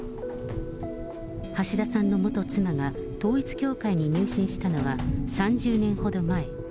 橋田さんの元妻が、統一教会に入信したのは、３０年ほど前。